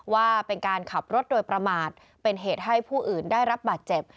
ว่าเป็นการขับรถโดยประมาทเป็นเหตุให้ผู้อื่นได้รับบาดเจ็บ